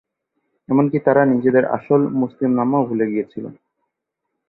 এমন কি তারা নিজেদের আসল ‘মুসলিম’নামও ভুলে গিয়েছিল।